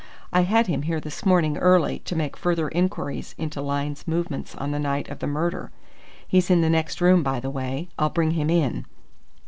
I had him here this morning early to make further inquiries into Lyne's movements on the night of the murder. He's in the next room, by the way. I'll bring him in."